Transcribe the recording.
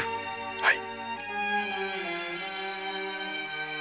はい。